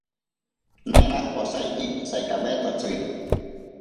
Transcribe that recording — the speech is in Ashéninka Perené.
Nena osaiki saikamentotsi.